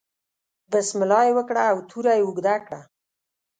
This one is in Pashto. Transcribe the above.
بسم الله یې وکړه او توره یې اوږده کړه.